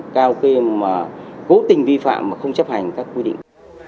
cao mà cố tình vi phạm mà không chấp hành các quy định